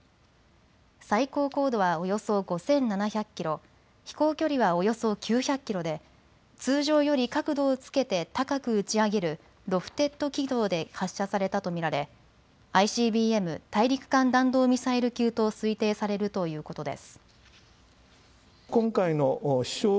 最高高度はおよそ５７００キロ、飛行距離はおよそ９００キロで通常より角度をつけて高く打ち上げるロフテッド軌道で発射されたと見られＩＣＢＭ・大陸間弾道ミサイル級と推定されるということです。